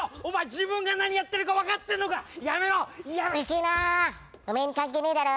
自分が何やってるか分かってんのかやめろうるせえなおめえに関係ねえだろ